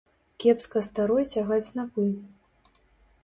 Кепска старой цягаць снапы.